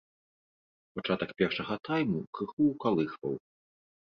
Пачатак першага тайму крыху ўкалыхваў.